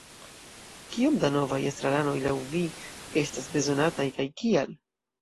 Kiom da novaj estraranoj laŭ vi estas bezonataj, kaj kial?